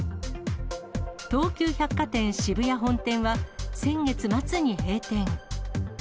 東急百貨店渋谷本店は、先月末に閉店。